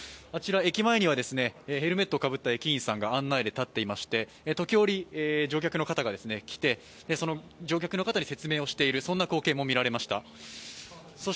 あちら駅前にはヘルメットをかぶった駅員さんが案内で立っておりまして、時折、乗客の方が来て、その乗客の方に説明をしている光景も見受けられました。